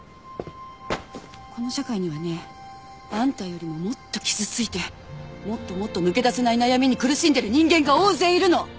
この社会にはねあんたよりももっと傷ついてもっともっと抜け出せない悩みに苦しんでる人間が大勢いるの！